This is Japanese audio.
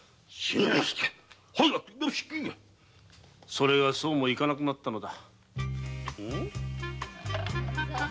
それがそうもいかなくなったのだ。